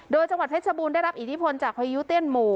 โดยจังหวัดเพชรบูรณ์ได้รับอิทธิพลจากพายุเตี้ยนหมู่